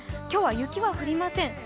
今日は雪は降りません。